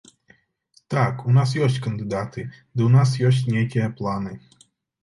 Так, у нас ёсць кандыдаты, ды ў нас ёсць нейкія планы.